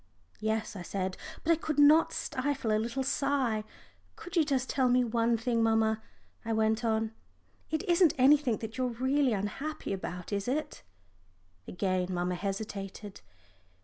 "Yes," I said, but I could not stifle a little sigh. "Would you just tell me one thing, mamma," I went on; "it isn't anything that you're really unhappy about, is it?" Again mamma hesitated.